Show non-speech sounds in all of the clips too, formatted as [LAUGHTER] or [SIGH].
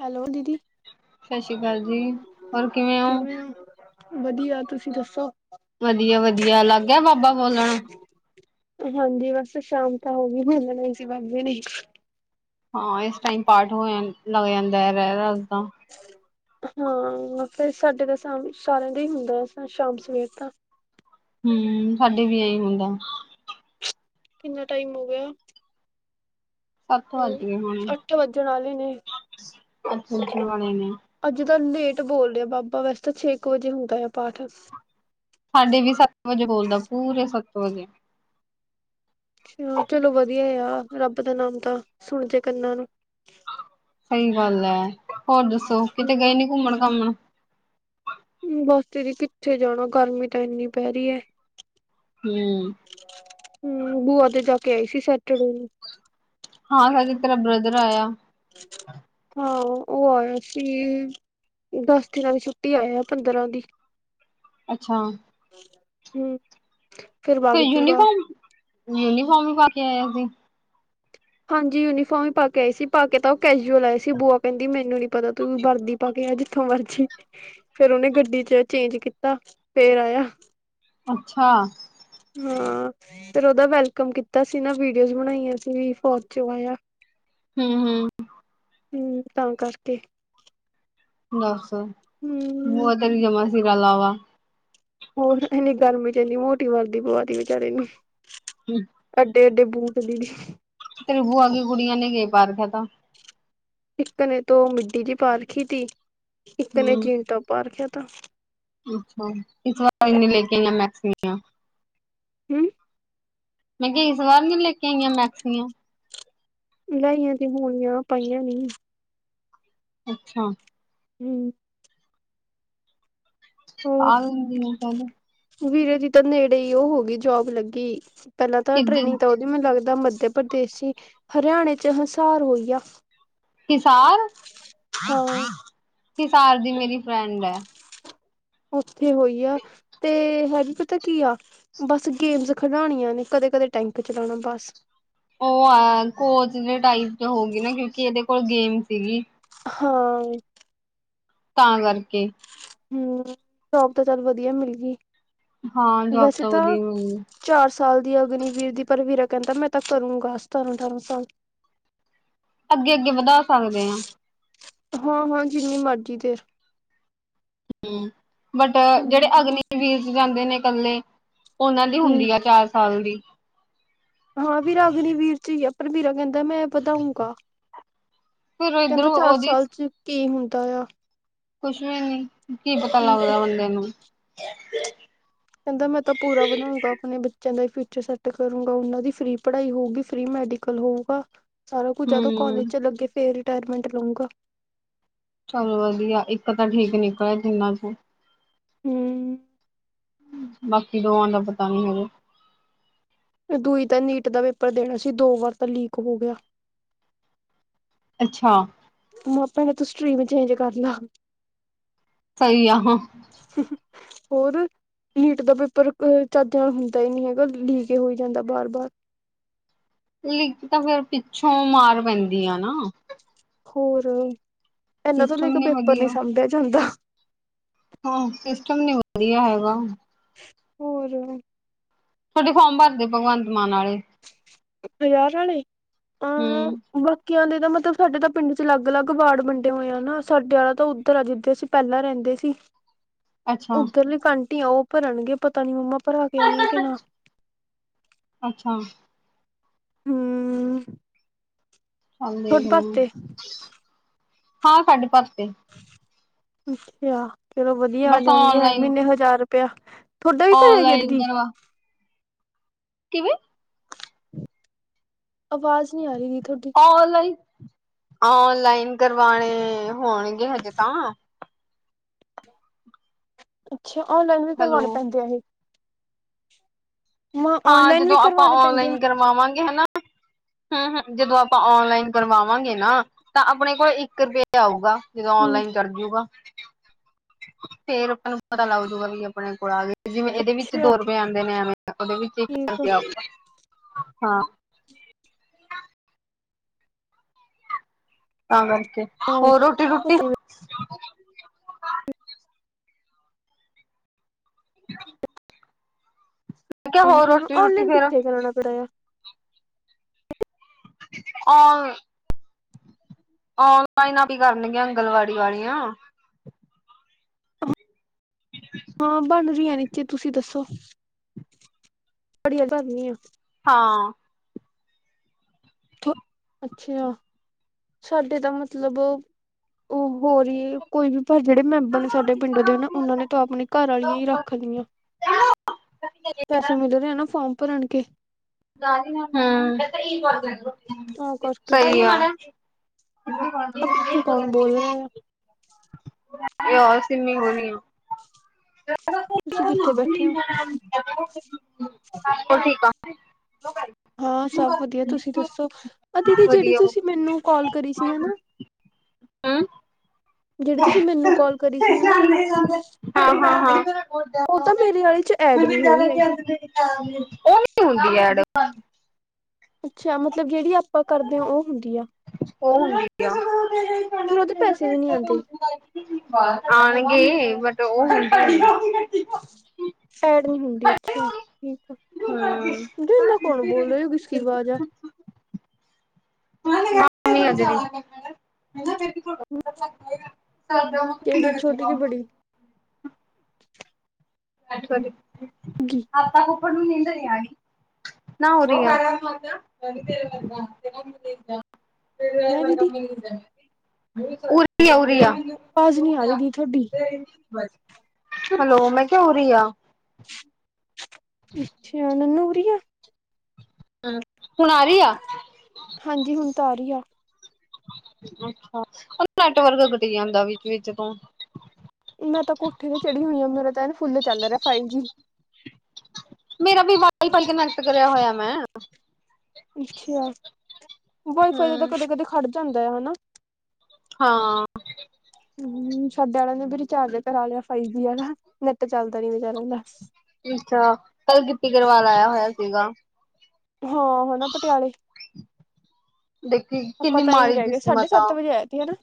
Hello ਦੀਦੀ, ਸਤਿ ਸ੍ਰੀ ਅਕਾਲ ਜੀ, ਕਿਵੇਂ ਹੋ? ਵਧੀਆ, ਤੁਸੀਂ ਦੱਸੋ ਵਧੀਆ -ਵਧੀਆ ਲੱਗ ਗਿਆ ਬਾਬਾ ਬੋਲਣ। ਹਾਂਜੀ ਬਸ ਸ਼ਾਮ ਤਾਂ ਹੋ ਗਈ ਸੀ, ਬੋਲਣਾ ਹੀ ਸੀ ਬਾਬੇ ਨੇ। ਹਾਂ ਇਸ ਟਾਈਮ ਪਾਠ ਹੋ ਲੱਗ ਜਾਂਦਾ ਐ, ਰਹਿਰਾਸ ਦਾ। ਹੂੰ ਫੇਰ ਸਾਡੇ ਤਾਂ ਸਾਮ ਸਾਰਿਆਂ ਦਾ ਹੀ ਹੁੰਦਾ, ਸ਼ਾਮ ਸਵੇਰ ਤਾਂ। ਹੂੰ, ਸਾਡੇ ਵੀ ਇਹੀ ਹੁੰਦਾ। ਕਿੰਨਾ ਟਾਈਮ ਹੋ ਗਿਆ। ਸੱਤ ਵੱਜ ਹਮ ਗਏ ਹੋਣੇ, ਅੱਠ ਵੱਜਣ ਵਾਲੇ ਨੇ ਅੱਠ ਵੱਜਣ ਵਾਲੇ ਨੇ। ਅੱਜ ਤਾਂ ਲੇਟ ਬੋਲ ਰਿਆ ਬਾਬਾ ਵੈਸੇ ਤੇ ਛੇ ਕੁ ਵਜੇ ਹੁੰਦਾ ਆ ਪਾਠ ਸਾਡੇ ਵੀ ਸੱਤ ਵਜੇ ਬੋਲਦਾ ਪੂਰੇ ਸੱਤ ਵਜੇ ਅੱਛਾ ਚਲੋ ਵਧੀਆ ਆ ਰੱਬ ਦਾ ਨਾਮ ਤਾਂ ਸੁਣ ਜੇ ਕੰਨਾਂ ਨੂੰ ਸਹੀ ਗੱਲ ਹੈ ਹੋਰ ਦੱਸੋ ਕਿਤੇ ਹਮ ਗਏ ਨੀ ਘੁੰਮਣ ਘਾਮਣ ਬਸ ਦੀਦੀ ਕਿੱਥੇ ਜਾਣਾ ਗਰਮੀ ਤਾਂ ਇੰਨੀ ਪੈ ਰਹੀ ਹੈ ਹੂੰ ਹੂੰ ਬੂਆ ਤੇ ਜਾ ਕੇ ਆਈ ਸੀ ਸੈਟਰਡੇ ਨੂੰ ਹਾਂ ਸੱਚ ਤੇਰਾ ਬ੍ਰਦਰ ਆਇਆ ਹਾਂ ਉਹ ਆਇਆ ਸੀ ਦਸ ਦਿਨਾਂ ਦੀ ਛੁੱਟੀ ਆਇਆ ਪੰਦਰਾਂ ਦੀ ਅੱਛਾ ਹੂੰ ਫੇਰ ਫਿਰ ਵਗ ਜੂਗਾ ਯੂਨੀਫਾਰਮ ਯੂਨੀਫਾਰਮ ਵੀ ਪਾ ਕੇ ਆਇਆ ਸੀ ਹਾਂਜੀ ਯੂਨੀਫਾਰਮ ਹੀ ਪਾ ਕੇ ਆਏ ਸੀ ਪਾ ਕੇ ਤਾਂ ਉਹ ਕੈਜੂਅਲ ਆਏ ਸੀ ਬੁਆ ਕਹਿੰਦੀ ਮੈਨੂੰ ਨੀ ਪਤਾ ਤੂੰ ਵਰਦੀ ਪਾ ਕੇ ਜਿੱਥੋਂ ਮਰਜੀ ਫੇਰ ਉਹਹਨੇ ਗੱਡੀ ਚ ਚੇਂਜ ਕੀਤਾ ਫੇਰ ਆਇਆ ਅੱਛਾ ਹਾਂ ਫਿਰ ਉਹਦਾ ਵੈਲਕਮ ਕੀਤਾ ਸੀ ਨਾ ਵੀਡੀਓਜ਼ ਬਣਾਈਆਂ ਸੀ ਵੀ ਫੌਜ ਚ ਆਇਆ ਹੂੰ ਹੂੰ ਹੂੰ ਤਾਂ ਕਰਕੇ ਬੱਸ ਹੂੰ ਬਧਰੀ ਜਮਾ ਸੀਰਾ ਲਾਵਾ ਹੋਰ ਇੰਨੀ ਗਰਮੀ ਚ ਇੰਨੀ ਮੋਟੀ ਵਰਦੀ ਪਵਾ ਤੀ ਵਿਚਾਰੇ ਨੂੰ ਹੰ ਡੇ ਡੇ ਬੂਟ ਦੀ ਪ੍ਰਿਭੂ ਆਗੀ ਗੁੜੀਆਂ ਨੇ ਕਾ ਰੱਖਾ ਥਾ। ਇੱਕ ਤ ਨੇ ਤੋ ਮਿੱਡੀ ਜੀ ਪਾ ਰਖੀ ਥੀ, ਇੱਕ ਨੇ ਜੀਨ ਟੋਪ ਪਾ ਰਖਿਆ ਥਾਂ। ਅੱਛਾ ਇਸ ਵਾਰ ਲੈ ਕੇ ਇਨਾ ਮੈਕਸੀ ਹੂੰ। ਮੈਂ ਕਿਆ ਇਸ ਵਾਰ ਨੀ ਲੈ ਕੇ ਆਈ ਆਂ ਮੈਕਸੀਆਂ ਲਾਈਆਂ ਤੇ ਹੋਣੀਆਂ, ਪਾਈਆਂ ਨੀ ਅੱਛਾ ਹੱਮ ਪਾ ਲੂੰਗੀ ਕਦੇ ਵੀਰੇ ਦੀ ਤਾਂ ਨੇੜੇ ਈ ਔ ਹੋ ਗਈ ਜੋਬ ਲੱਗੀ ਪੈਲਾਂ ਤਾਂ ਕਿੱਧਰ ਟ੍ਰੇਨਿੰਗ ਤਾਂ ਔਦੀ ਮੈਨੂੰ ਲੱਗਦਾ ਉ ਪ੍ਰਦੇਸ਼ ਚ ਹੀ ਹਰਿਆਣੇ ਚ ਹਿਸਾਰ ਹੋਈ ਆ। ਹਿਸਾਰ ਹਾਂ ਹਿਸਾਰ ਦੀ ਮੇਰੀ ਫਰੈਂਡ ਹੈ। ਔਥੇ ਹੋਈ ਆ ਤੇ ਵਾ ਵੀ ਪਤਾ ਕੀ ਆ ਬਸ ਗੇਮਸ ਖਡਾਣੀਆਂ ਨੇ ਕ ਤੇ ਕਦੇ ਟਾਈਮ ਪੇ ਚਲਾਣਾ ਬਸ। ਔ ਆ ਕੋਚ ਦੇ ਟਾਈਪ ਚ ਹੋਂਗੇ ਨਾ ਕਿਉਂਕਿ ਇਹਦੇ ਕੋਲ ਗੇਮ ਸੀਗੀ। ਹਾਂ ਤਾਂ ਕਰਕੇ ਹੂੰ, ਜੋਬ ਤਾਂ ਚੱਲ ਵਧੀਆ ਮਿਲ ਗੀ। ਹਾਂ ਜੋਬ ਵੈਸੇ ਤਾਂ ਵਧੀਆ ਮਿਲ ਗਈ ਚਾਰ ਸੌ ਸਾਲ ਦੀ ਅਗਨੀਵਰ ਦੀ ਪਰ ਵੀਰਾ ਕਹਿੰਦਾ ਮੈਂ ਤਾਂ ਕਰੂੰਗਾ ਸਤਾਰਾਂ ਅਠਾਰਾਂ ਸਾਲ ਅੱਗੇ-ਅੱਗੇ ਵਧਾ ਸਕਦੇ ਆਂ ਹਾਂ-ਹਾਂ ਜਿੰਨੀ ਮਰਜੀ ਤੇ ਹੂੰ, ਬਟ ਜਿਹੜੇ ਹੂੰ ਅਗਨੀ ਵੀਰ ਚ ਜਾਂਦੇ ਨੇ ਕੱਲੇ ਉਹਨਾਂ ਦੀ ਹੂੰ ਹੁੰਦੀ ਆ ਚਾਰ ਸਾਲ ਦੀ ਹਾਂ, ਵੀਰਾ ਅਗਨੀਵੀਰ ਚ ਈ ਆਂ ਪਰ ਵੀਰਾ ਕਹਿੰਦੈ ਮੈਂ ਵਧਾਊਂਗਾ ਫਿਰ ਕਹਿੰਦਾ ਇੱਧਰੋਂ ਚਾਰ ਉਹਦੀ ਸਾਲ ਚ ਕੀ ਹੁੰਦਾ ਆ। ਕੁਛ ਵੀ ਨੀ ਕੀ ਪਤਾ ਹਮ ਲੱਗਦਾ ਬੰਦੇ ਨੂੰ ਚੰਗਾ ਹੀ ਫਿਊਚਰ ਸੈਟ ਕਰੂੰਗਾ ਉਹਨਾਂ ਦੀ ਫ੍ਰਰੀ ਪੜ੍ਹਾਈ ਹੋਊਗੀ ਫ੍ਰਰੀ ਮੈਡੀਕਲ ਹੋਊਗਾ। ਸਾਰਾ ਕੁਝ ਜਦੋਂ ਹੂੰ ਕਾਲਜ ਚ ਲੱਗੇ ਫੇਰ ਰਿਟਾਇਰਮੈਂਟ ਲਊਗਾ। ਚਲੋ ਵਧੀਆ ਇੱਕ ਤਾਂ ਠੀਕ ਨਿਕਲਿਆ ਤਿੰਨਾਂ ਚੋਂ ਹੂੰ। ਬਾਕੀ ਦੋਆਂ ਦਾ ਪਤਾ ਨੀ ਹਜੇ ਦੂਈ ਤਾਂ ਨੀਟ ਦਾ ਪੇਪਰ ਦੇਣਾ ਸੀ ਦੋ ਵਾਰ ਤਾਂ ਲੀਕ ਹੋ ਗਿਆ ਅੱਛਾ। ਮਪਿਆਂ ਨੇ ਤੂੰ ਸਟਰੀਮ ਚੇਂਜ ਕਰ ਲਾ ਸਹੀ ਆ ਹਾਂ ਹੋਰ ਨੀਟ ਦਾ ਪੇਪਰ ਕ ਚੱਜ ਨਾਲ ਹੁੰਦਾ ਈ ਨੀ ਹੈਗਾ ਲੀਕ ਹੀ ਹੋਈ ਜਾਂਦਾ ਬਾਰ-ਬਾਰ ਲਿਕ ਤਾਂ ਫੇਰ ਪਿੱਛੋਂ ਮਾਰ ਪੈਂਦੀ ਆ ਨਾ ਹੋਰ ਏਨਾਂ ਤੋਂ ਨਾ ਸਿਸਟਮ ਇੱਕ ਨੀ ਪੇਪਰ ਨਈ ਵਧੀਆ ਸਾਂਭਿਆ ਜਾਂਦਾ ਹਾਂ, ਸਿਸਟਮ ਨੀ ਵਧੀਆ ਹੈਗਾ। ਹੋਰ ਤੁਹਾਡੇ ਫੋਮ ਭਰਦੇ ਭਗਵੰਤ ਮਾਨ ਵਾਲੇ ਹਜ਼ਾਰ ਵਾਲੇ, ਅ ਹੂੰ ਵ ਕਿਆਂ ਦੇ ਤਾਂ ਮਤਲਬ ਸਾਡੇ ਤਾਂ ਪਿੰਡ ਵਿੱਚ ਅਲੱਗ-ਅਲੱਗ ਵਾਰਡ ਵੰਡੇ ਹੋਏ ਆ ਨਾ। ਸਾਡੇ ਆਲਾ ਤਾਂ ਉੱਧਰ ਆ ਜਿੱਦੇ ਅਸੀਂ ਪੈਲਾਂ ਰਹਿੰਦੇ ਸੀ ਅੱਛਾ ਉੱਧਰਲੇ ਕਾਂਟੀ ਆ ਉਹ ਭਰਨਗੇ ਪਤਾ ਨੀ ਮੰਮਾ ਭਰਾ ਕੇ ਆਏਂ ਆਂ ਕਿ ਨਾ ਅੱਛਾ ਹਮਅਅ। ਚੱਲ ਦੇਖ ਹਾਂ ਸਾਡੇ ਭਰਤੇ ਅੱਛਾ ਚਲੋ ਵਧੀਆ ਆ ਬਸ ਜਾਣਗੇ ਹਾਏ ਔਨਲਾਈਨ ਮਹੀਨੇ ਹਜ਼ਾਰ ਰੁਪਆ ਤੁਹਾਡਾ ਵੀ ਭਰਿਆ ਗਿਆ ਔਨਲਾਈਨ ਦੀਦੀ ਕਰਵਾ ਕਿਵੇਂ ਆਵਾਜ਼ ਨਹੀਂੀ ਆ ਰਹੀ ਤੁਹਾਡੀ ਔਲਾਈ ਆਨਲਾਈਨ ਕਰਵਾਣੇ ਹੋਣਗੇ ਹਜੇ ਤਾਂ ਅੱਛਾ ਔਨਲਾਈਨ ਵੀ ਹੈਲੋ ਕਰਵਾਉਣੇ ਪੈਂਦੇ ਆ ਇਹ ਮ ਹਾਂ ਔਨਲਾਈਨ ਜਦੋਂ ਵੀ ਆਪਾਂ ਕਰਵਾਉਣੇ ਪੈਂਦੇ ਆ ਔਨਲਾਈਨ ਕਰਵਾਵਾਂਗੇ ਹਨਾ ਹਮ ਹ ਜਦੋਂ ਆਪਾਂ ਓਨਲਾਈਨ ਕਰਵਾਵਾਂਗੇ ਨਾ ਤਾਂ ਆਪਣੇ ਕੋਲ ਇੱਕ ਰੁਪਏ ਆਊਗਾ ਜਦੋਂ ਹਮ ਔਨਲਾਈਨ ਕਰਜੂਗਾ ਫੇਰ ਆਪਾਂ ਨੂੰ ਪਤਾ ਲੱਗ ਜੂਗਾ ਵੀ ਆਪਣੇ ਕੋਲ ਆ ਗ ਜਿਵੇਂ ਇਹਦੇ ਵਿੱਚ ਅੱਛਾ ਦੋ ਰੁਪਏ ਆਉਂਦੇ ਨੇ ਐਵੇਂ ਉਹਦੇ ਵਿੱਚ ਇੱਕ ਠੀਕ ਰੁਪਆਗਾ ਹਾਂ ਤਾਂ ਕਰਕੇ ਹੋਰ ਰੋਟੀ ਰੂਟੀ ਕਿਹਾ ਹੋਰ ਕ ਰੋਟੀ ਰੂਟੀ ਔਨਲਾਈਨ ਫੇਰ ਕਿੱਥੇ ਕਰਾਉਣਾ ਪੈੜਾ ਆ ਆ ਓਨਲਾਈਨ ਵੀ ਕਰਨਗੀਆਂ ਆਂਗਲਵਾੜੀ ਵਾਲੀੀਆਂ ਹਾਂ ਬਣ ਰਹੀਆਂ ਨਚੇ ਤੁਸੀਂ ਦੱਸੋ ਬੜੀ ਬਣਨੀ ਆ ਹਾਂ। ਅੱਛਾ ਸਾਡੇ ਤਾਂ ਮਤਲਬ ਉਹ ਹੋ ਰਹੀ ਹੈ ਕੋਈ ਵੀ ਪਰ ਜਿਹੜੇ ਮੈਂਬਰ ਨੇ ਸਾਡੇ ਪਿੰਡ ਦੇ ਨਾ ਉਹਨਾਂ ਨੇ ਤਾਂ ਆਪਣੇ ਘਰ ਵਾਲੀਆਂ ਹੀ ਰੱਖ ਲਈਆਂ ਪੈਸੇ ਮਿਲ ਰਹੇ ਆ ਨਾ ਫਾਰਮ ਭਰਨ ਕੇ। ਹਮ ਤਾਂ ਸਹੀ ਹੈ ਆਪ ਇਿੱਥੇ ਕੌਣ ਬੋਲ ਰਹੇ ਆ ਇਹ ਆ ਸੀਮੀਿੰ ਹੋਣੀ ਆ [UNINTELLIGIBLE] ਤੁਸੀਂ ਕਿੱਥੇ ਉਹ ਬੈਠੇ ਹੋ ਕ ਆ [UNINTELLIGIBLE] ਹਾਂ ਸਭ ਵਧੀਆ ਤੁਸੀਂ ਦੱਸੋ ਅਧ ਦੀ ਜਿਹੜੀ ਤੁਸੀਂ ਮੈਨੂੰ ਕਾਲ ਕਰੀ ਸੀ ਹਨਾ ਹੈਂ ਜਿਹੜੀ ਤੁਸੀਂ ਮੈਨੂੰ ਕਾਲ ਕਰੀ ਸੀ ਹਨਾ ਜਾਂਦੇ ਜਾਂਦੇ ਹਾਂ ਹਾਂ ਹਾਂ ਉਹ ਤਾਂ ਮੇਰੇ ਵਾਲੇ ਚ ਹੁੰਦੀ ਐਡ ਨਹੀਂ ਹੋਈ ਹੈਗੀ [UNINTELLIGIBLE] ਹਾਂ [INAUDIBLE] ਅੱਛਾ ਮਤਲਬ ਜਿਹੜੀ ਆਪਾਂ ਕਰਦੇ ਹਾਂ ਉਹ ਹੁੰਦੀ ਆ ਉਹ ਹੁੰਦੀ ਆ [UNINTELLIGIBLE] ਫਿਰ ਉਹਦੇ ਪੈਸੇ ਵੀ ਨਹੀਂੀ ਆਉਂਦੇ ਆਉਣਗੇ ਬਟ ਉਹ ਹੂੰ। ਐਡ ਨਹੀਂ ਹੁੰਦੀ ਅੱਛੀ ਠੀਕ ਆ ਇਦਾ ਕੌਣ ਬੋਲ ਰਹੇ ਹੋ ਕਿਸ ਕੀ ਆਵਾਜ਼ ਆ [UNINTELLIGIBLE] [INAUDIBLE] ਸਰਦਾਗਾ [UNINTELLIGIBLE] ਅੱਠ ਵਜੇ ਅੱਜ ਤਾਂ ਫੁੱਫੜ ਨੂੰ ਨੀਂਦਾ ਨੀ ਆ ਗਈ ਰਾਰਾ [INAUDIBLE] [UNINTELLIGIBLE] ਉਰੀਆ ਉਰੀਆ [INAUDIBLE] ਬ [INAUDIBLE] [UNINTELLIGIBLE] ਹੈਲੋ ਮੈਂ ਕਿ ਹੋ ਰਹੀ ਆ ਅੱਛਾ ਨਨੂ ਹੋਰੀ ਆ ਹਮ ਹੁਣ ਆ ਰਹੀ ਆ ਹਾਂਜੀ ਹੁਣ ਤਾਂ ਆ ਰਹੀ ਆ ਅੱਛਾ ਉਹ ਨੈਟਵਰਕ ਘਟੀ ਜਾਂਦਾ ਵਿੱਚ ਵਿਚ ਤਾਂ ਮੈਂ ਤਾਂ ਕੋਠੇ ਤੇ ਚੜ੍ਹੀ ਹੋਈ ਹਾਂ ਮੇਰਾ ਤਾਂ ਇਹਨ ਫੁੱਲ ਚੱਲ ਰਿਹਾ ਫਾਈਲ ਜੀ ਹ [INAUDIBLE] ਅੱਛਾ ਵਾਈਫਾਈ ਦਾ ਤਾਂ ਹੂੰ ਕਦੇ -ਕਦੇ ਖੜ ਜਾਂਦਾ ਆ ਹਨਾ। ਹਾਂ ਹੂੰ ਸਾਡੇ ਵਾਲਿਆਂ ਨੇ ਵੀ ਰਿਚਾਰਜ ਕਰਾ ਲਿਆ ਫਾਈਵ ਜੀ ਆ ਨੈੱਟ ਚੱਲਦਾ ਨੀ ਬੇਚਾਰਿਆਂ ਦਾ ਅੱਛਾ ਕੱਲ ਗਿੱਪੀ ਗਰੇਵਾਲ ਆਇਆ ਹੋਇਆ ਸੀਗਾ। ਹਾਂ ਹਨ ਨਾ ਪਟਿਆਲੇ ਦੇਖੀ ਆਪਾਂ ਕਿੰਨੀ ਤਾਂ ਇਹੀ ਮਾੜੀ ਰਹਿ ਗਏ ਸਾਢੇ ਕਿਸਮਤ ਆ। ਸੱਤ ਵਜੇ ਆਏ ਤੀ ਹਨਾ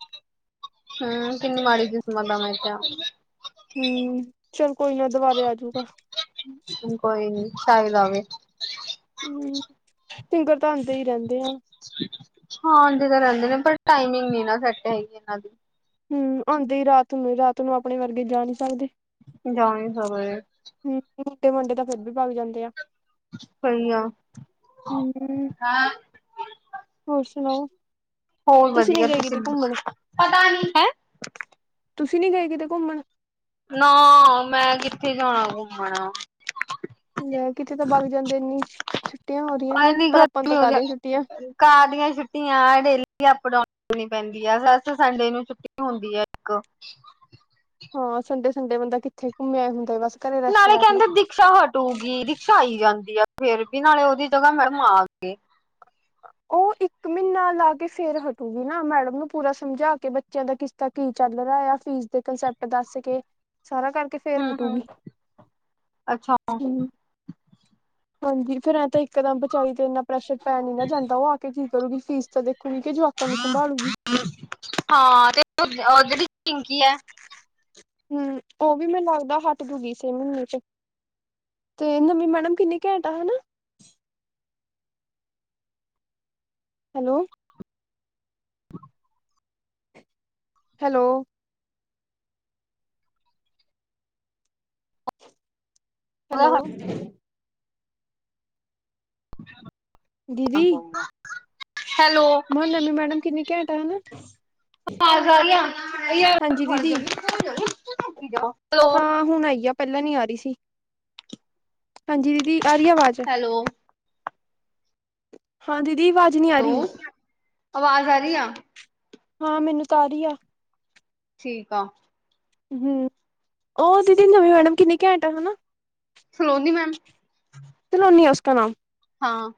ਹੂੰ ਕਿੰਨੀ ਮਾੜੀ ਸੀ ਕਿਸਮਤ ਆ ਮੈਂ ਕਿਹਾ। ਹੂੰ ਚੱਲ ਕੋਈ ਨਾ ਦੁਬਾਰੇ ਆਜੂਗਾ। ਸਾਇਦ ਆਵੇ। ਹੂੰ ਸਿੰਗਰ ਤਾਂ ਆਉਂਦੇ ਹੀ ਰਹਿੰਦੇ। ਆ ਹਾਂ ਜ ਤਾਂ ਰਹਿੰਦੇ ਨੇ ਪਰ ਟਾਈਮਿੰਗ ਨ ਨਾ ਸੈੱਟ ਹੈਗੀ ਇਹਨਾਂ ਦੀ ਹੂੰ ਆਉਂਦੇ ਹੀ ਰਾਤ ਨੂੰ ਰਾਤ ਨੂੰ ਆਪਣੇ ਵਰਗੇ ਜਾ ਨੀ ਸਕਦੇ। ਜਾ ਨ੍ਹੀ ਨ੍ਹ ਸੱਕਦੇ [UNINTELLIGIBLE] ਸਾਡੇ ਮੁੰਡੇ ਤਾਂ ਫਿਰ ਵੀ ਬਾਗ ਜਾਂਦੇ ਆ। ਸਹੀ ਆ ਹੂੰ [INAUDIBLE] ਹੋਰ ਸੁਣਾਓ? ਹੋਰ ਨੀ ਵਧੀਆ ਗਏ ਤੁਸੀਂ ਕਿਤੇ ਘੁੰਮਣ ਦੱਸੋ ਪਤਾ ਨਹੀਂ ਹੈ। ਤੁਸੀਂ ਨੀ ਗਏ ਕਿਤੇ ਘੁੰਮਣ ਹਾਂ ਲੈ ਕਿਤੇ ਤਾਂ ਬਗ ਜਾਂਦੇ ਇੰਨੀ ਛੁੱਟੀਆਂ ਹੋ ਰਹੀਆਂ ਸੀਆਂ ਐਨੀ ਪਰ ਆਪਾਂ ਨੂੰ ਗਰਮੀ ਹੋ ਤੱਕ ਦੀਆਂ ਛੁੱਟੀਆਂ ਰਹੀ ਕਾਰ ਦੀਆਂ ਛੁੱਟੀਆਂ ਡੇਲੀ ਅਪਡਾਊਨ ਕਰਨਣੀ ਪੈਂਦੀ ਹੈਸ ਸੰਡੇ ਨੂੰ ਛੁੱਟੀ ਹੁੰਦੀ ਹੈ ਇੱਕ ਹਾਂ ਸੰਡੇ ਸੰਡੇ ਬੰਦਾ ਕਿੱਥੇ ਘੁੰਮਿਆ ਹੁੰਦਾ ਬਸ ਘਰੇ ਰੈਸਟ ਨਾਲੇ ਕਰ ਲਓ ਕਹਿੰਦੇ ਰਿਕਸ਼ਾ ਹਟੂਗੀ ਰਿਕਸ਼ਾ ਆਈ ਜਾਂਦੀ ਆ। ਫੇਰ ਵੀ ਨਾਲੇ ਉਹਦੀ ਜਗ੍ਹਾ ਮੈ [UNINTELLIGIBLE] ਗਏ। ਉਹ ਇੱਕ ਮਹੀਨਾ ਲਾ ਕੇ ਫੇਰ ਹਟੂਗੀ ਨਾ ਮੈਡਮ ਨੂੰ ਪੂਰਾ ਸਮਝਾ ਕੇ ਬੱਚਿਆਂ ਦਾ ਕਿਸ ਕੀ ਚੱਲ ਰਿ ਫੀਸ ਦੇ ਕੰਸੈਪਟ ਦੱਸ ਕੇ ਸਾਰਾ ਕਰਕੇ ਹੂੰ ਫੇਰ ਹੂੰ ਹਟੂਗੀ ਅੱਛਾ ਹੂੰ। ਹਾਂਜੀ ਫੇਰ ਐਂ ਤਾਂ ਇੱਕਦਮ ਵਿਚਚਾਰੀ ਤੇ ਇੰਨਾ ਪ੍ਰੈਸ਼ਰ ਪੈ ਨੀ ਨਾ ਜਾਂਦਾ ਉਹ ਆ ਕੇ ਕੀ ਕਰੂਗੀ ਫੀਸ ਤਾਂ ਦੇਖ [INAUDIBLE] ਹਾਂ ਤੇ ਜਿਹੜੀ ਪਿੰਕੀ ਐ। ਹੂੰ ਉਹ ਵੀ ਮੈਨੂੰ ਲੱਗਦਾ ਹੱਟ ਜਾਊਗੀ ਇਸੇ ਮਹੀਨੇ 'ਚ ਤੇ ਨਵੀਂ ਮੈਡਮ ਕਿੰਨੀ ਘੈਂਟਾ ਹੈਨਾ। ਹੈਲੋ [INAUDIBLE] ਹੈਲੋ ਹੈਲੋ [INAUDIBLE] ਮ ਨਵੀ ਮੈਡਮ ਕਿੰਨੀ ਘੈਂਟਾ ਹਨਾ। ਹਾਂਜੀ ਦੀਦੀ [INAUDIBLE] ਹੈਲੋ ਹਾਂ ਹੁਣ ਆਈ ਆ ਪਹਿਲਾਂ ਨੀ ਆ ਰਹੀ ਸੀ। ਹਾਂਜੀ ਦੀਦੀ ਆ ਰਹੀ ਆਵਾਜ਼ ਹੈਲੋ ਹਾਂ ਦੀ ਹੈਲੋ ਆਵਾਜ਼ ਆ ਰਹੀ ਆ। ਹਾਂ ਮੈਨੂੰ ਸਾਰੀ ਆ। ਠੀਕ ਆ। ਹੂੰ ਉਹ ਦੀਦੀ ਨਵੀਂ ਮੈਡਮ ਕਿੰਨੀ ਘੈਂਟ ਹਨਾ। ਸਲੋਨੀ ਮੈਮ ਤਿਲੋਨੀ ਹੈ ਉਸਾ ਨਾਮ ਹਾਂ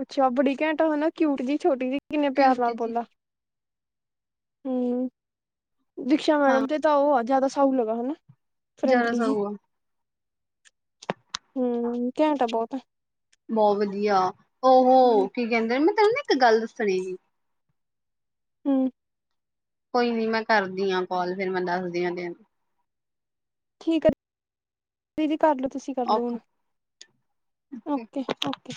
ਅੱਛਾ ਬੜੀ ਘੈਂਟਾ ਹਨਾ ਕਿਊਟ ਜੀ ਛੋਟੀ ਜਿ ਕਿੰਨੇ ਕੀ ਪਿਆਰ ਨਾਲ ਜੀ ਬੋਲਾ ਹਮ ਦੀਕਸ਼ਾ ਹਾਂ ਮੈਡਮ ਤੇ ਤਾਂ ਉਹ ਜ਼ਿਆਦਾ ਸਾਉ ਹਨਾ। ਜਿਆਦਾ ਸਾਉ ਆ ਹਮ ਕੈਟ ਤਾਂ ਬਹੁਤਾ। ਬਹੁਤ ਵਧੀਆ ਹੋ ਹੂੰ ਕੀ ਕਹਿੰਦੇ ਮੈਂ ਤੈਨੂੰ ਨਾ ਇੱਕ ਗੱਲ ਦੱਸਣੀਗੀ। ਹਮ ਅ। ਕੋਈ ਨੀ ਮੈਂ ਕਰਦੀ ਹਾਂ ਕਾਲ ਫੇਰ ਮੈਂ ਦੱਸਦੀ ਹ ਦਿਨ। ਠੀਕ ਆ ਦੀ। ਕਰ ਲਓ ਤੁਸੀਂ ਕਰਲਓ ਹੁਣ ਓਕੇ ਓਕੇ ਓਕੇ।